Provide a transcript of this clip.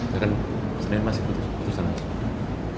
ya kan masih putusan